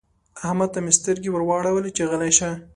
احمد ته مې سترګې ور واړولې چې غلی شه.